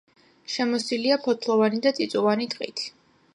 შემოსილია ფოთლოვანი და წიწვიანი ტყით.